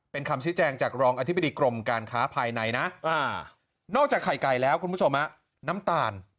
เป็นคำชี้แจงจากรองอธิบดีกรมการค้าภายในนะนอกจากไข่ไก่แล้วคุณผู้ชมน้ำตาล